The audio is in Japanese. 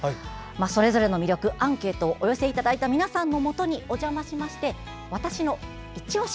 それぞれの魅力アンケートをお寄せいただいた皆さんのもとにお邪魔しまして「＃わたしのいちオシ」